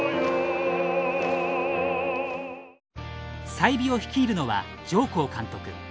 済美を率いるのは上甲監督。